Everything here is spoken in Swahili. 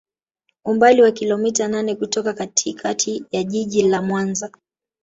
Umbali wa kilometa nane kutoka katikati ya Jiji la Mwanza